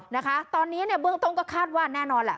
นะคะตอนนี้เนี่ยเบื้องต้นก็คาดว่าแน่นอนแหละ